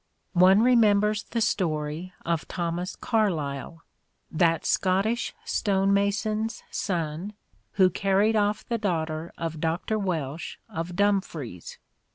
. One remembers the story of Thomas Carlyle, that Scottish stone mason's son, who carried off the daughter of Dr. Welsh of Dum fries.